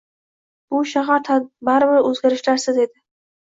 Bu shahar baribir o’zgarishlarsiz edi.